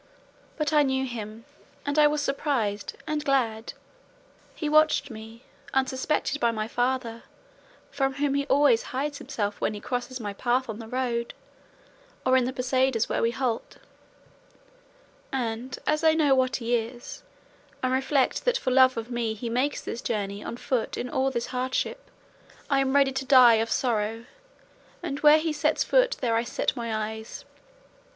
But I knew him, and I was surprised, and glad; he watched me, unsuspected by my father, from whom he always hides himself when he crosses my path on the road, or in the posadas where we halt; and, as I know what he is, and reflect that for love of me he makes this journey on foot in all this hardship, I am ready to die of sorrow; and where he sets foot there I set my eyes.